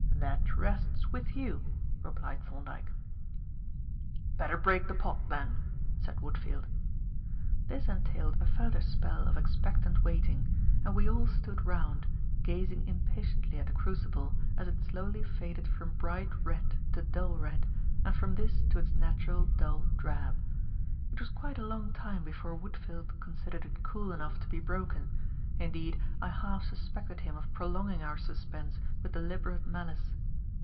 "That rests with you," replied Thorndyke. "Better break the pot, then," said Woodfield. This entailed a further spell of expectant waiting, and we all stood round, gazing impatiently at the crucible as it slowly faded from bright red to dull red and from this to its natural dull drab. It was quite a long time before Woodfield considered it cool enough to be broken, indeed I half suspected him of prolonging our suspense with deliberate malice.